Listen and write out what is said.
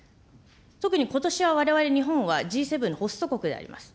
特にことしはわれわれ日本は、Ｇ７のホスト国であります。